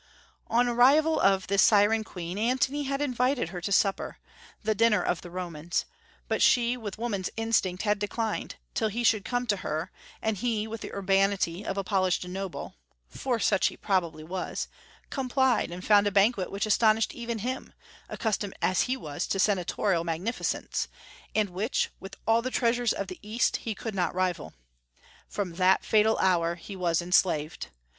On the arrival of this siren queen, Antony had invited her to supper, the dinner of the Romans, but she, with woman's instinct, had declined, till he should come to her; and he, with the urbanity of a polished noble, for such he probably was, complied, and found a banquet which astonished even him, accustomed as he was to senatorial magnificence, and which, with all the treasures of the East, he could not rival. From that fatal hour he was enslaved.